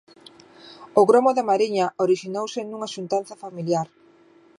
O gromo da Mariña orixinouse nunha xuntanza familiar.